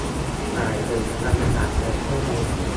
สายหูฟังขาดไปเส้นนึง :'